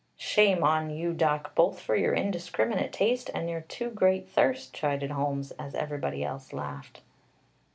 "Shame on you, Doc, both for your indiscriminate taste and your too great thirst," chided Holmes, as everybody else laughed.